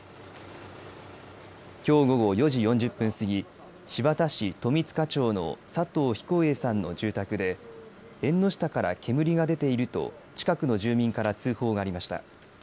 きょう午後４時４０分過ぎ新発田市富塚町の佐藤彦栄さんの住宅で縁の下から煙が出ていると近くの住民から通報がありました。